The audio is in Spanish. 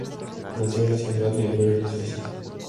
Nació el en la ciudad de Berna, Suiza.